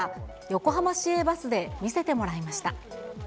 横浜市営バスで見せてもらいました。